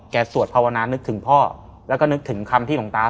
แกสวดภาวนานนึกถึงพ่อและนึกถึงคำที่ของตา